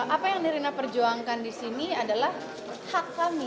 apa yang nirina perjuangkan di sini adalah hak kami